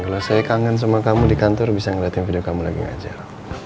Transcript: kalau saya kangen sama kamu di kantor bisa ngeliatin video kamu lagi ngajar